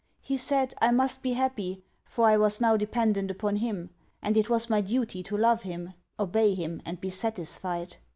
He said, I must be happy, for I was now dependent upon him; and it was my duty to love him, obey him, and be satisfied.